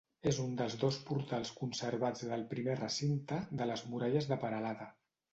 És un dels dos portals conservats del primer recinte de les muralles de Peralada.